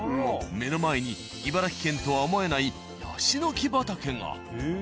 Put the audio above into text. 目の前に茨城県とは思えないヤシの木畑が。